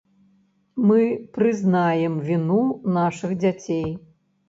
Мы прызнаем віну нашых дзяцей.